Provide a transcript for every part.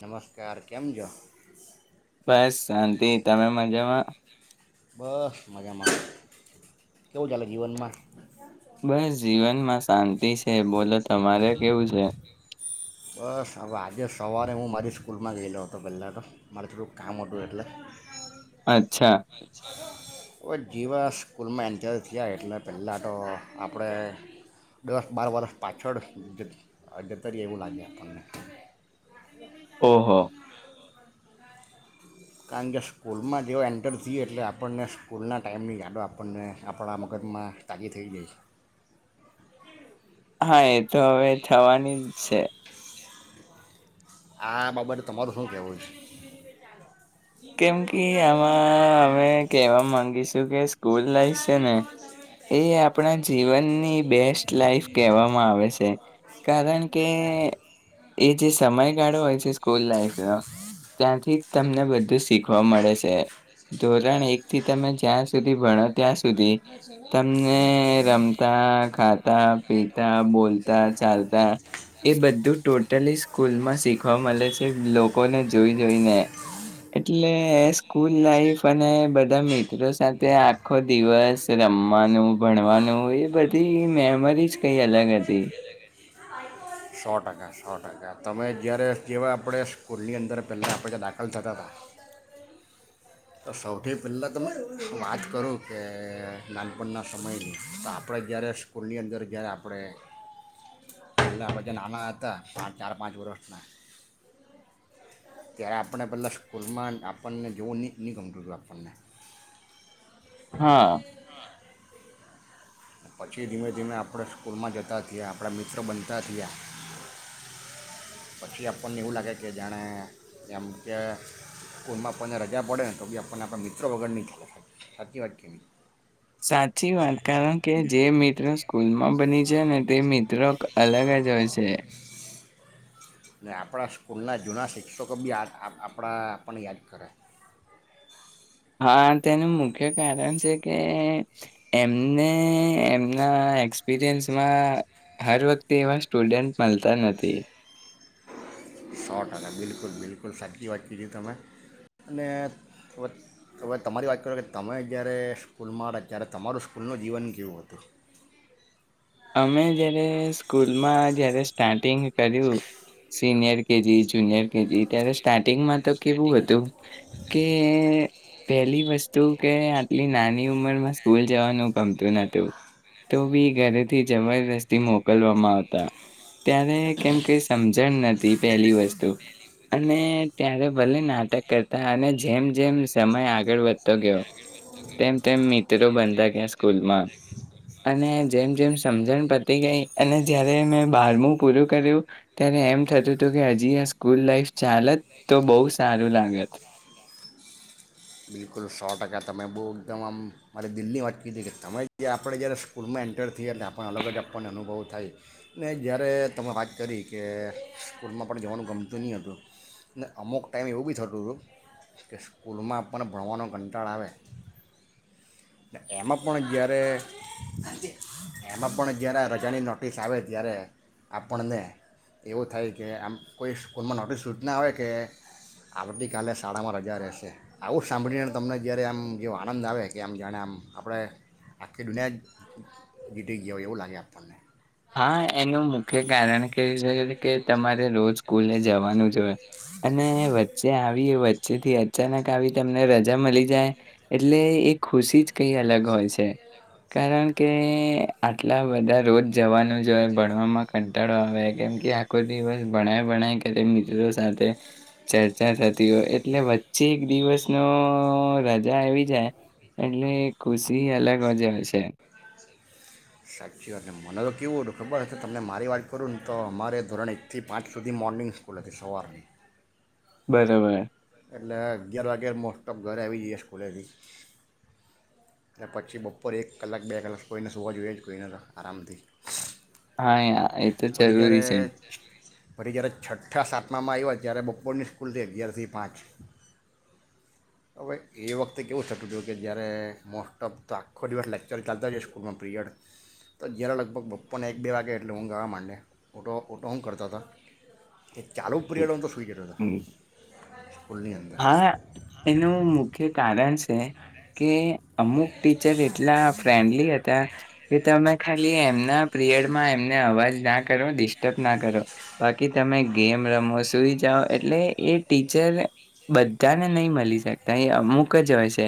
નમસ્કાર કેમ છો બસ શાંતિ તમે મજામાં બસ મજામાં કેવું ચાલે જીવનમાં બસ જીવનમાં શાંતિ છે બોલો તમારે કેવું છે બસ હવે આજે સવારે હું મારી સ્કૂલમાં ગયેલો હતો પહેલાં તો મારે થોડુંક કામ હતું એટલે અચ્છા ઓ જીવા સ્કૂલમાં એન્ટર થયા એટલે પહેલાં તો આપણે દસ બાર વરસ પાછળ જતા રએ એવું લાગે આપણને ઓહો કારણ કે સ્કૂલમાં જેવો એન્ટર થએ એટલે આપણને સ્કૂલના ટાઈમની યાદો આપણને આપણા મગજમાં તાજી થઈ જાય છે. હા એ તો હવે થવાની. છે. આ બાબતે તમારું શું કેવું છે કેમ કે આમાં અમે કહેવા માંગીશું કે સ્કૂલ લાઈફ છે ને એ આપણા જીવનની બેસ્ટ લાઈફ કહેવામાં આવે છે કારણ કે એ જે સમયગાળો હોય છે સ્કૂલ લાઈફનો ત્યાંથી તમને બ શીખવા મળે છે ધોરણ એક થી તમે જ્યાં સુધી ભણો ત્યાં સુધી તમને રમતા ખાતા પીતા બોલતા ચાલતા એ બધું ટોટલી સ્કૂલમાં શીખવા મળે છે લોકોને જોઈ જોઈને. એટલે સ્કૂલ લાઈફ અને બધા મિત્રો સાથે આખો દિવસ રમવાનું ભણવાનું એ બધી મેમરીઝ કઈ અલગ હતી. સૌ ટકા સૌ ટકા તમે જયારે જેવા આપણે સ્કૂલની અંદર જ્યારે આપડે દાખલ કરતાં હતા. તો સૌથી પહેલા તમે વાત કરું કે નાનપણના સમયની આપણે જયારે સ્કૂલની અંદર જયારે આપણે પેલા બધા નાના હતા ચાર પાંચ વર્ષના ત્યારે આપણે પેલા સ્કૂલમાં આપણને જોવું નહી. નિગમ તો લાભવાને હા પછી ધીમે ધીમે આપણે સ્કૂલમાં જતા થયા આપણા મિત્રો બનતા થયા પછી આપણને એવું લાગે કે જાણે જેમ કે સ્કૂલમાં આપણને રજા પડે ને તો બી આપણને આપણા મિત્રો વગર નહી થ સાચી વાત કેવી સાચી વાત કારણ કે જે મિત્રો સ્કૂલમાં બની છે ને તે મિત્રો અલગ જ હોય છે. ને આપણા સ્કૂલના જૂના શિક્ષકો બી આપણા આપણને યાદ કરે. હા તેનું મુખ્ય કારણ છે કે એમને એમના એક્સપિરિયન્સમાં હર વખતે એવા સ્ટુડન્ટ મલતા નથી સો ટકા બિલકુલ બિલકુલ સાચી વાત કીધી તમે અને હ તમારી વાત કરો કે તમે જ્યારે સ્કૂલમાં રહ્યા ત્યારે તમારું સ્કૂલનું જીવન કેવું હતું. અમે જયારે સ્કૂલમાં જયારે સ્ટાર્ટિંગ [unintelligible] કેજી જુનિયર કેજી ત્યારે સ્ટાર્ટિંગ તો કેવું હતું કે પહેલી વસ્તુ કે આટલી નાની ઉંમરમાં સ્કૂલ જવાનું ગમતું નતું તો બી ઘરે થી જબરજસ્તી મોકલવામાં આવતા. ત્યારે કેમ કઈ જણ નથી પહેલી વસ્તુ અને ત્યારે ભલે નાટક કરતા અને જેમ જેમ સમય આગળ વધતો ગયો તેમ તેમ મિત્રો બનતા ગયા સ્કૂલમાં અને જેમ જેમ સમજણ પતી ગઈ અને જયારે મેં બારમું પૂરું કર્યું ત્યારે એમ થતું હતું કે હજી આ સ્કૂલ લાઈફ ચાલત તો બહુ સારું લાગત બિલકુલ સો ટકા તમે બહુ એકદમ આમ મારે દિલની વાત કીધી કે તમે જે આપણે જ્યારે સ્કૂલમાં એન્ટર થઈને આપણને અલગ જ આપણને અનુભવ થાય ને જ્યારે તમે વાત કરી કે સ્કૂલમાં પણ જવાનું ગમતું નહીં હતું ને અમુક ટાઈમ એવું બી થતું હતું કે સ્કૂલમાં પણનો ભણવાનો કંટાળ આવે એમાં પણ જ્યારે એમાં પણ જ્યારે રજાની નોટિસ આવે ત્યારે આપણને એવું થાય કે આમ કોઈ સ્કૂલમાં નોટિસ સુચના‌ આવે કે આવતીકાલે શાળામાં રજા રહેશે. આવું સાંભળીને તમને જ્યારે આમ જે આનંદ આવે કે આમ જાણે આમ આપણે આખી દુનિયા જીતી ગયા હોય એવું લાગે આપને હા એનું મુખ્ય કારણ [unintelligible] કે તમારે રોજ સ્કૂલે જવાનું અને વચ્ચે આવી એ વચ્ચે થી અચાનક આવી તમને રજા મળી જાય એટલે એ ખુશી જ કઈ અલગ હોય છે કારણ કે આટલા બધા રોજ જવાનું જ હોય ભણવામાં કંટાળો આવે કેમ કે આખો દિવસ ભણાય ભણાય કર મિત્રો સાથે ચર્ચા થતી હોય એટલે વચ્ચે એક દિવસનો રજા આવી જાય એટલે ખુશી [unintelligible] છે સાચી વાતલે મને તો કેવું હતું ખબર તમને મારી વાત કરું ને તો અમારે ધોરણ એક થી પાંચ સુધી મોર્નિંગ સ્કૂલ હતી સવારની બરાબર એટલે અગિયાર વાગે મોસ્ટફ ઘરે આવી જઈએ સ્કૂલેથી અને પછી બપોર એક કલાક બે કલાક કોઈને હોવા જોઈએ જ કોઈ ને આરામથી હા એ તો ફરી જ્યારે જરૂરી છે ફરી જય્યારે છઠ્ઠા સાતમામાં આવ હો ત્યારે બપોરની સ્કૂલથી અગિયાર થી પાંચ હવે એ વખતે કેવું થતું હતયું કે જયારે મોસ્ટ ઓફ તો આખો દિવસ લેક્ચર ચાલતા જ સ્કૂલમાં પીરિયડ તો જય્યારે લગભગ બપોરને એક બે વાગે [unintelligible] [unintelligible] [inaudible] હા એનું મુખ્ય કારણ છે કે અમુક ટીચર એટલા ફ્રેન્ડલી હતા કે તમે ખાલી એમ ના પીરિયડમાં એમને અવાજ ના કરો ડિસ્ટર્બ ના કરો બાકી તમે ગેમ રમો સુઈ જાઓ એટલે એ ટીચર બધાને નહી મલી શકતા એ અમુક જ હોય છે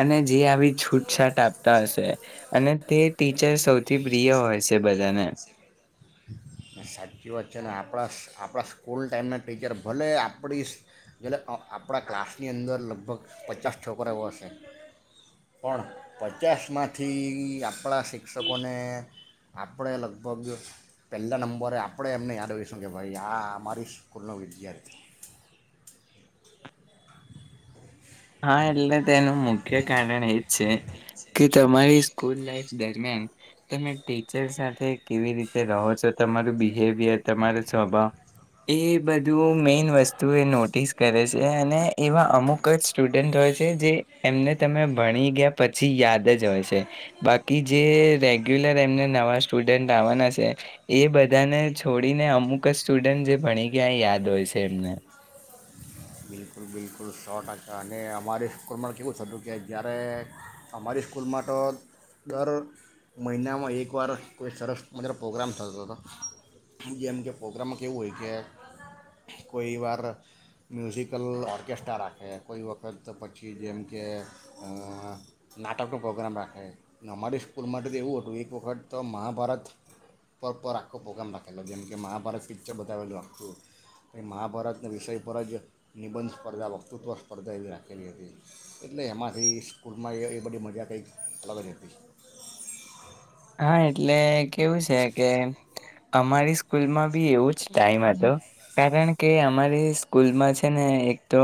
અને જે આવી છૂટછાટ આપતા હશે અને તે ટીચર સૌથી પ્રિય હોય છે બધાને સાચી વાત છે ને આપણા આપણા સ્કૂલ ટાઈમના ટીચર ભલે આપણી આપણા ક્લાસની અંદર લગભગ પચાસ છોકરા હશે પણ પચાસમાંથી આપણા શિક્ષકોને આપણે લગભગ પહેલાં નંબર બરે આપણે એમને યાદ આવીશું કે ભાઈ આ અમારી સ્કૂલનો વિદ્યાર્થી હા એટલે તેનું મુખ્ય કારણ એજ છે કે તમારી સ્કૂલ લાઈફ દરમિયાન તમે ટીચર સાથે કેવી રીતે રહો છો તમારું બિહેવિયર તમારો સ્વભાવ એ બધું મેઈન વસ્તુ એ નોટિસ કરે છે અને એવા અમુક જ સ્ટુડન્ટ હોય છે જે એમને તમે ભણી ગયા પછી યાદ જ હોય છે બાકી જે રેગ્યુલર એમને નવા સ્ટુડન્ટ આવવાના છે એ બધાને છોડીને અમુક જ સ્ટુડન્ટ જે ભણી ગયા યાદ હોય છે એમને બિલકુલ બિલકુલ શોર્ટ અને અમારી સ્કૂલમાં કેવું થતું કે જ્યારે અમારી સ્કૂલમાં તો દર મહિનામાં એકવાર કોઈ સરસ મગર પ્રોગ્રામ થતો હતો જેમ કે પ્રોગ્રામમાં કેવું હોય કે કોઈ વાર મ્યુઝિકલ ઓર્ક ઓર્કેસ્ટ્રા રાખે કોઈ વખત પછી જેમ કે નાટકનો પ્રોગ્રામ રાખે અને અમારી સ્કૂલ માટે તો એવું હતું એક વખત તો મહાભારત પર પર આખો પ્રોગ્રામ રાખેલો જેમકે મહાભારત પિક્ચર બતાવેલું આખતું તો મહાભારતના વિષય પર જ નિબંધ સ્પર્ધા વક્તૃત્વ સ્પર્ધા એવી રાખેલી હતી એટલે એમાંથી સ્કૂલમાં એ બધી મજા કંઈક અગ હતી હા એટલે કેવું છે કે અમારી સ્કૂલમાં ભી એવું જ ટાઈમ હતો કારણ કે અમારી સ્કૂલમાં છે ને એક તો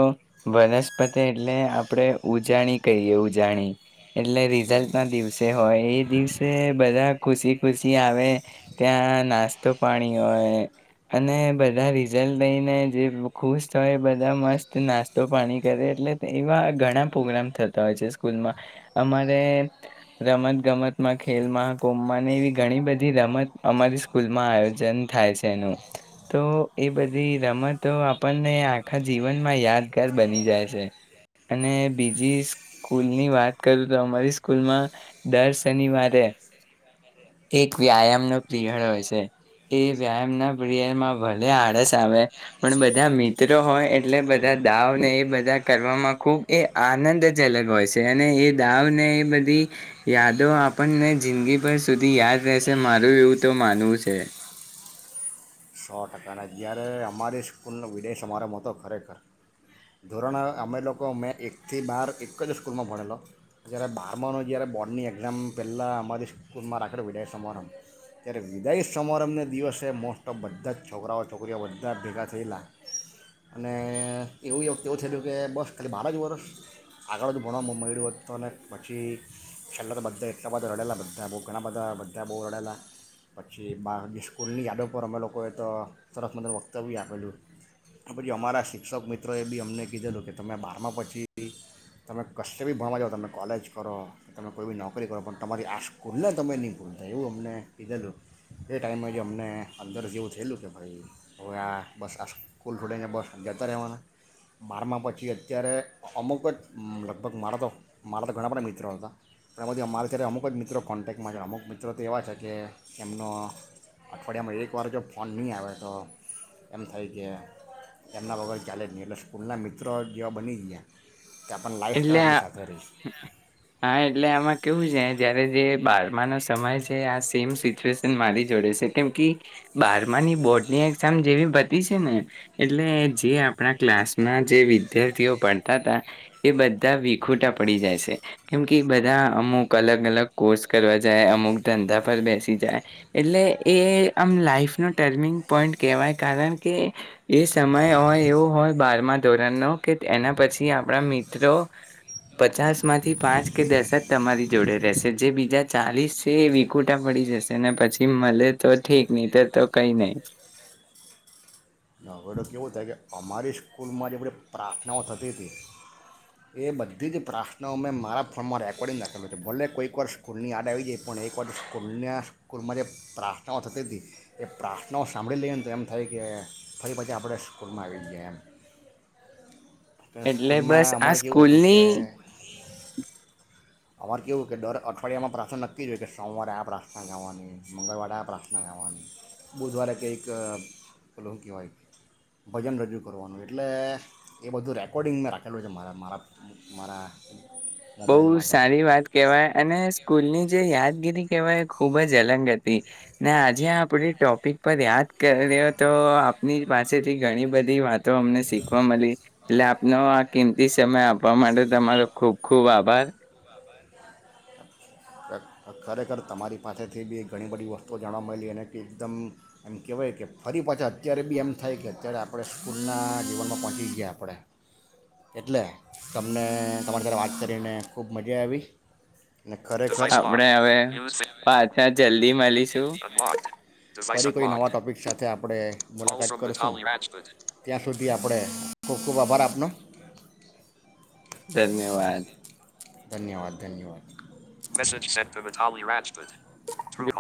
વનસ્પતિ એટલે આપણે ઉજાણી કરીએ ઉજાણી એટલે રિઝલ્ટ ના દિવસે હો એ દિવસે બધા ખુશી ખુશી આવે ત્યાં નાસ્તો પાણી હોય અને બધા રિઝલ્ટ લઈને જે ખુશ હોય બધા મસ્ત નાસ્તો પાણી કરે એટલે એવા ઘણા પ્રોગ્રામ થતા હોય છે સ્કૂલમાં અમારે રમત ગમતમાં ખેલમાં [unintelligible] એવી ઘણી બધી રમત અમારી સ્કૂલમાં આયોજન થાય છે એનું તો એ બધી રમતો આપણને આખા જીવનમાં યાદગાર બની જાય છે અને બીજી સ્કૂલની વાત કરું તો અમારી સ્કૂલમાં દર શનિવારે એક વ્યાયામ નો પ્રિયળ હોય છે એ વ્યાયામ ના પ્રિયરમાં ભલે આળસ આવે પણ બધા મિત્રો હોય એટલે બધા દાવને એ બધા કરવામાં ખૂબ એ આનંદજલક હોય છે અને એ દાવને એ બધી યાદો આપણને જિંદગી ભર સુધી યાદ રહેશે મારું એવું તો માનવું છે સો ટકાના જ્યારે અમારી સ્કૂલનો વિદાય સમારંભ હતો ખરેખર ધોરણ અમે લોકો મેં એકથી બાર એક જ સ્કૂલમાં ભણેલો જ્યારે બારમાંનો જ્યારે બોર્ડની એક્ઝામ પહેલાં અમારી સ્કૂલમાં રાખે વિદાય સમારંભ ત્યારે વિદાય સમારંભને દિવસે મોસ્ટ તો બધા જ છોકરાઓ છોકરીઓ બધા ભેગા થયેલા અને એવું [unintelligible] એવું થયેયું કે બસ ખાલી બાર જ વર્ષ આગળ જ ભણોું મળડ્યું તો અને પછી છેલ્લા તો બધા એટલા બધા રડેલા બધા બો ઘણા બધા બધા બો રડેલા પછી બા જે સ્કૂલની યાદો ઉપર અમે લોકોએ તો આપેલું. પછી અમારા શિક્ષક મિત્રોએ બી અમને કીધેલું કે, તમે બારમાં પછી, તમે કષ્ટ ભી ભણવા જાઓ, તમે કોલેજ કરો, તમે કોઈ બી નોકરી કરો, પણ તમારી આ સ્કૂલને તમે ની ભૂલતા. એવું અમને કીધેલું. એ ટાઈમે જ અમને અંદર જેવું થેયલું કે, ભાઈ, હવે આ બસ આ સ્કૂલ છોડીને બસ જતા રહેવાના. બારમાં પછી, અત્યારે અમુક જ, લગભગ મારા તો મારા તો ઘણા બધા મિત્રો હતા, પણ અમુક જ મિત્રો કોન્ટેક્ટમાં છે. અમુક મિત્રો તો એવા છે કે, એમનો અઠવાડિયામાં એક એકવાર જો ફોન ની આવે, તો એમ થાય કે એમના વગર ચાલે જ ની. એટલે, સ્કૂલના મિત્રો જેવા બની ગીયા એટલે હા, એટલે આમાં કેવું સે ત્યારે જે બારમા ના સમયે છે, આ સેમ સિચ્યુએશન મારી જોડે છે, કેમ કે બારમાની બોર્ડની એક્ઝામ જેવી પતી છે ને, એટલે જે આપણા ક્લાસમાં જે વિદ્યાર્થીઓ ભણતા હતા ને એ બધા વિખૂટા પડી જાય છે, કેમ કે બધા અમુક અલગ અલગ કોર્સ કરવા જાય, અમુક ધંધા પર બેસી જાય. એટલે, એ આમ લાઈફનો ટર્નિંગ પોઈન્ટ કહેવાય, કારણ કે એ સમય હોય એવો હોય, બારમા ધોરણનો, કે એના પછી આ મિત્રો પચાસ માંથી પાંચ કે દસક તમારી જોડે રેહશે. જે બીજા ચાલીસ છે, એ વિકુટા પડી જશે ને. પછી મળે તો ઠીક, તો કંઈ નઈ. કેવું થાય કે, અમારી સ્કૂલમાં જે બધી પ્રાર્થનાઓ થતી હતી, એ બધી જ પ્રાર્થનાઓ મેં મારા ફોનમાં રેકોર્ડિંગ. ભલે કોઈક વાર સ્કૂલની યાદ આવી જાય, પણ એકવાર સ્કૂલના સ્કૂલમાં જે પ્રાર્થનાઓ થતી હતી, એ પ્રાર્થનાઓ સાંભળી લઈએ ને, તો એમ થાય કે ફરી પછી, આપણે સ્કૂલમાં આવી ગયા એમ ને એટલે સ્કૂલમાં બસ આ અમારે કે સ્કૂલની અમારે કેવું કે, દર અઠવાડિયામાં પ્રાર્થના નક્કી જ હોય કે, સોમવારે આ પ્રાર્થના ગાવાની, મંગળવારે આ પ્રાર્થના ગાવાની, બુધવારે કઈક પેલું કહેવાય, ભજન રજૂ કરવાનું. એટલે એ બધું રેકોર્ડિંગ મેં રાખેલું છે. મારા, મારા, મારા બોઉ મોબાઈલમાં તો સારી વાત કેવાય. અને સ્કૂલની જે યાદગીરી કેવાય, એ ખુબ જ હતી ને. આજે આપણી ટોપિક પર યાદ કર્યો, તો આપની પાસેથી ઘણી બધી વાત તો અમને શીખવા મલી આપનો આ કિંમતી સમય આપવા માટે તમારો ખુબ ખૂબ આભાર. ખરેખર, તમારી પાસેથી બી ઘણી બધી વસ્તુઓ જાણવા, અને તે એકદમ એમ કહેવાય કે, ફરી પાછા અત્યારે બી એમ થાય કે અત્યારે આપણે સ્કૂલના જીવનમાં પહોંચી ગીયા આપણે. એટલે, તમને તમારી વાત કરીને ખૂબ મજા આવી ને? આપણે હવે પાછા જલ્દી મળીશું [inaudible] [inaudible] ધન્યવાદ. ધન્યવાદ, ધન્યવાદ. [inaudible] [unintelligible]